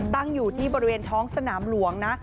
ตั้งอยู่ที่บริเวณท้องสนามหลวงนะ